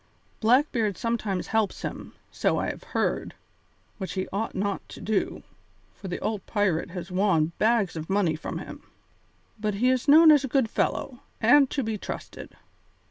Blackbeard sometimes helps him, so I have heard which he ought to do, for the old pirate has won bags of money from him but he is known as a good fellow, and to be trusted.